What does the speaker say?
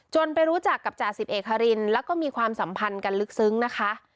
ไปรู้จักกับจ่าสิบเอกฮารินแล้วก็มีความสัมพันธ์กันลึกซึ้งนะคะ